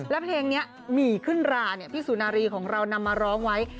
แล้วเพลงนี้หมี่ขึ้นราพี่สุนารีของเรานำมาร้องไว้